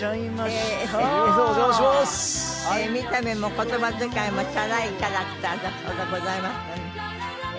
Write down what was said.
見た目も言葉遣いもチャラいキャラクターだそうでございますが。